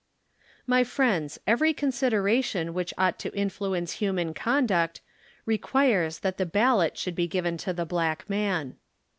My friends, every consideration which ought to influ ence human conduct, requires that the ballot should be given to the black man.